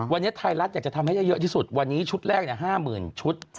วันนี้ไทยรัฐอยากจะทำให้ได้เยอะที่สุดวันนี้ชุดแรก๕๐๐๐ชุด